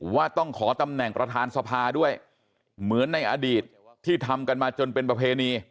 ว่าต้องขอตำแหน่งประธานสภาด้วยเหมือนในอดีตที่ทำกันมาจนเป็นประเพณี